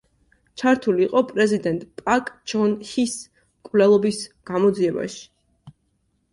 ჩართული იყო პრეზიდენტ პაკ ჩონ ჰის მკვლელობის გამოძიებაში.